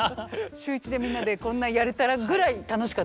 週１でみんなでこんなやれたらぐらい楽しかったです。